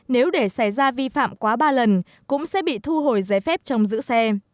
nếu để xảy ra vi phạm quá ba lần cũng sẽ bị thu hồi giấy phép trong giữ xe